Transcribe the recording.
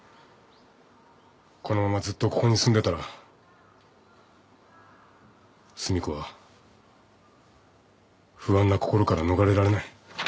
このままずっとここに住んでたら寿美子は不安な心から逃れられない。